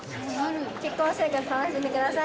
結婚生活楽しんでください。